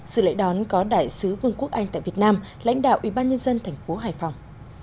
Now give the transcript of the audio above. sự lễ đón có đại sứ vương quốc anh tại việt nam lãnh đạo ủy ban nhân dân thành phố hải phòng